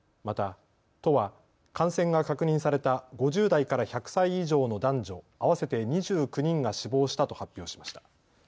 また都は感染が確認された５０代から１００歳以上の男女合わせて２９人が死亡したと発表しました。